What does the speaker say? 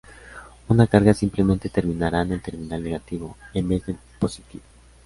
Una carga simplemente terminará en el terminal negativo, en vez del positivo.